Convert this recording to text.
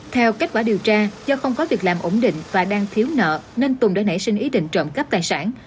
theo kết quả điều tra do không có việc làm ổn định và đang thiếu nợ nên tùng đã nảy sinh ý định trộm cắp tài sản